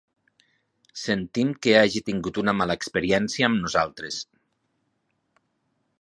Sentim que hagi tingut una mala experiència amb nosaltres.